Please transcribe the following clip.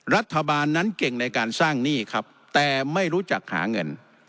รัฐบาลนั้นเก่งในการสร้างหนี้ครับแต่ไม่รู้จักหาเงิน